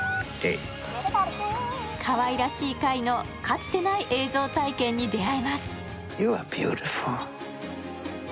かわいらしい貝のかつてない映像体験に出会えます。